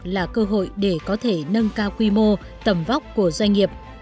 là cơ hội để có thể nâng cao quy mô tầm vóc của doanh nghiệp